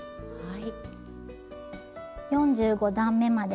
はい。